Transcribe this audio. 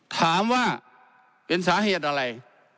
ถามว่าเป็นสาเหตุอะไร